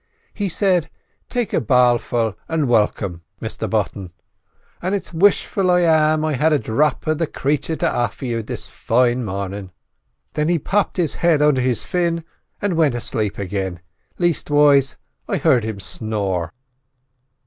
"He said: 'Take a bar'l full, an' welcome, Mister Button; an' it's wishful I am I had a drop of the crathur to offer you this fine marnin'.' Thin he popped his head under his fin and went aslape agin; leastwise, I heard him snore."